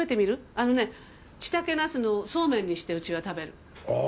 あのねちたけなすのそうめんにしてうちは食べるの。